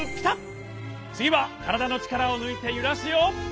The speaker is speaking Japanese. つぎはからだのちからをぬいてゆらすよ。